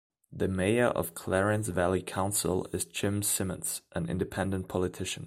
The Mayor of Clarence Valley Council is Jim Simmons, an independent politician.